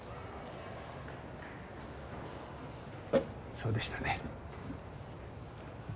そうでしたね。